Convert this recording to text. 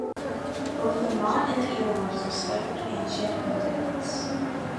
Both the motte and earthworks are Scheduled Ancient Monuments.